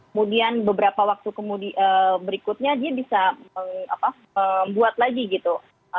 kemudian beberapa waktu berikutnya dia bisa membuat lagi gitu